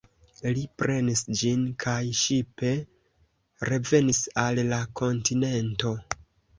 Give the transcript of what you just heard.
Li prenis ĝin, kaj ŝipe revenis al la kontinento.